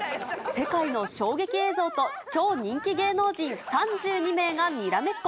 世界の衝撃映像と、超人気芸能人３２名がにらめっこ。